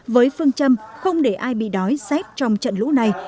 với phương châm không để ai bị đói xét trong trận lũ này